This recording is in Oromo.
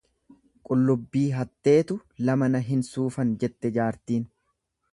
Qullubbii hatteetu lama na hin suufan jette jaartiin.